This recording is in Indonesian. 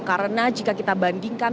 karena jika kita bandingkan